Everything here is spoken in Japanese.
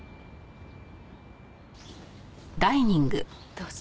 どうぞ。